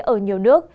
ở nhiều nước